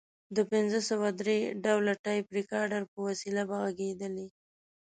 د پنځه سوه درې ډوله ټیپ ریکارډر په وسیله به غږېدلې.